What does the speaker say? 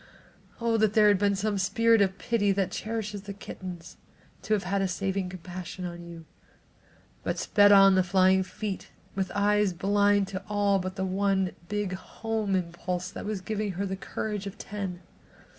Oh, that there had been some Spirit of Pity that cherishes the kittens, to have had a saving compassion on you! But on sped the flying feet, with eyes blind to all but the one big home impulse that was giving her the courage of ten.